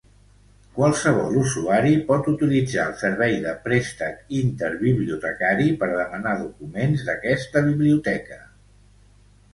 Qualsevol usuari pot utilitzar el servei de préstec interbibliotecari per demanar documents d'aquesta biblioteca.